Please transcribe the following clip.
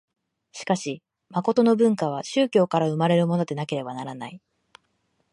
しかし真の文化は宗教から生まれるものでなければならない。